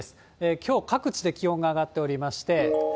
きょう、各地で気温が上がっておりまして。